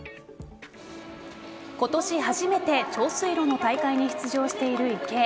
今年初めて長水路の大会に出場している池江。